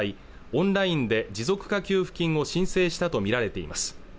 オンラインで持続化給付金を申請したと見られています